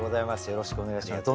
よろしくお願いします。